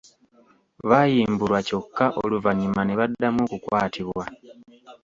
Baayimbulwa kyokka oluvannyuma ne baddamu okukwatibwa.